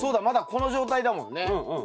まだこの状態だもんね。